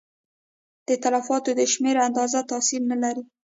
د تلفاتو د شمېر اندازه تاثیر نه لري.